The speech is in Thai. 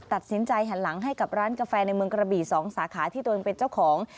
ตัดสินใจหันหลังให้กับร้านกาแฟในเมืองกระบี่๒สาขาที่ตัวเองเป็นเจ้าของ